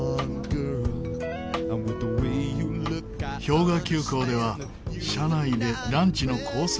氷河急行では車内でランチのコース